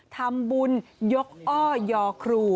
ทำบุญยกอ้อยอครู